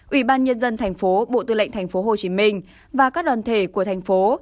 ủy ban nhân dân thành phố bộ tư lệnh thành phố hồ chí minh và các đoàn thể của thành phố